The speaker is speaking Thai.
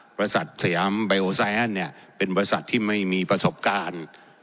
บริษัทสยามไบโอไซแอนด์เนี่ยเป็นบริษัทที่ไม่มีประสบการณ์